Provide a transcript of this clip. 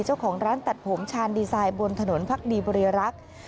เจ้าของร้านตัดผมชานดีไซน์บนถนนพักดีบริรักษ์